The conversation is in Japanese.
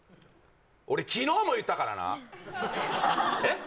俺昨日も言ったからなえっ？